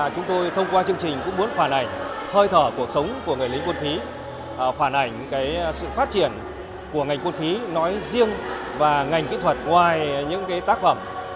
chúng tôi thông qua chương trình cũng muốn phản ảnh hơi thở cuộc sống của người lính quân khí phản ảnh sự phát triển của ngành quân khí nói riêng và ngành kỹ thuật ngoài những tác phẩm